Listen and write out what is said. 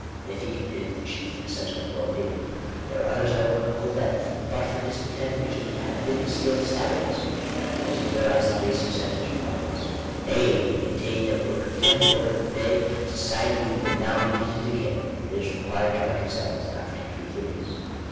They think it the chief essential to well being. There are others, however, who hold that but for discontent we should have been still savages. It is in their eyes the greatest incentive to progress. Nay, they maintain that were content the order of the day, society would even now begin to decay. It is required to reconcile these con tradictory theories.